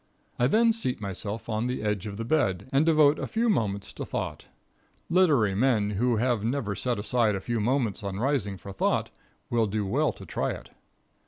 I then seat myself on the edge of the bed and devote a few moments to thought. Literary men who have never set aside a few moments on rising for thought will do well to try it.